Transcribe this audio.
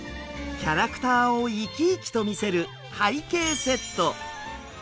キャラクターを生き生きと見せる背景セット。